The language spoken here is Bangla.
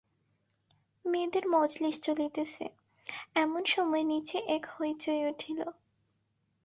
মেয়েদের মজলিশ চলিতেছে, এমন সময় নিচে এক হৈ চৈ উঠিল।